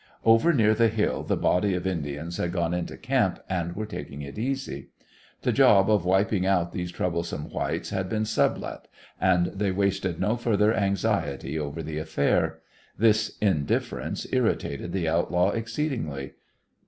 Over near the hill the body of Indians had gone into camp and were taking it easy. The job of wiping out these troublesome whites had been sublet, and they wasted no further anxiety over the affair. This indifference irritated the outlaw exceedingly.